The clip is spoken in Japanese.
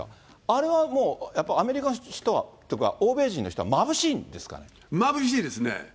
あれはもうやっぱアメリカの人とか欧米人の人はまぶしいんですかまぶしいですね。